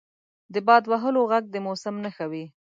• د باد وهلو ږغ د موسم نښه وي.